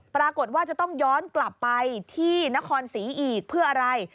ปรากฏว่าจะต้องย้อนกลับไปที่นครศรีอีกเพื่ออะไร